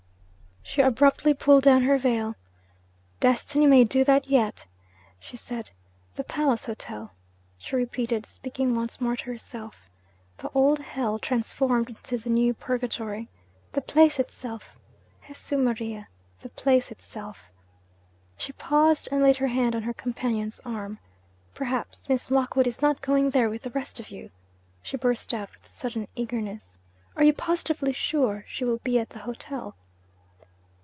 She abruptly pulled down her veil. 'Destiny may do that yet!' she said. 'The Palace Hotel?' she repeated, speaking once more to herself. 'The old hell, transformed into the new purgatory. The place itself! Jesu Maria! the place itself!' She paused and laid her hand on her companion's arm. 'Perhaps Miss Lockwood is not going there with the rest of you?' she burst out with sudden eagerness. 'Are you positively sure she will be at the hotel?'